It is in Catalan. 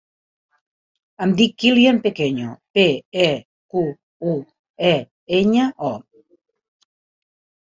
Em dic Kilian Pequeño: pe, e, cu, u, e, enya, o.